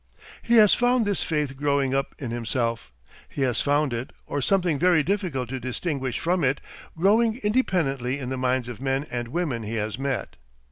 He has found this faith growing up in himself; he has found it, or something very difficult to distinguish from it, growing independently in the minds of men and women he has met.